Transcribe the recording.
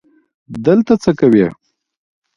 دلته څه کوې؟